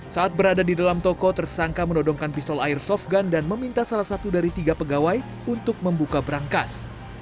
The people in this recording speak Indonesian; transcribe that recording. saat berada di dalam toko tersangka menodongkan pistol air softgun dan meminta salah satu dari tiga pegawai untuk membuka berangkas